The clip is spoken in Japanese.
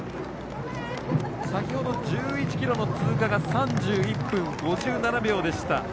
先ほど、１１ｋｍの通過が３１分５７秒でした。